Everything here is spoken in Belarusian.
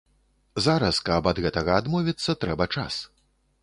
Зараз, каб ад гэтага адмовіцца, трэба час.